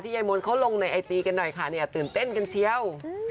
ยายมนต์เขาลงในไอจีกันหน่อยค่ะเนี่ยตื่นเต้นกันเชียว